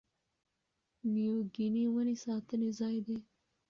نیو ګیني ونې ساتنې ځای دی.